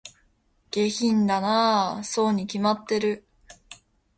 下品だなぁ、そうに決まってる